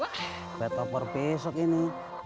wah betopor besok ini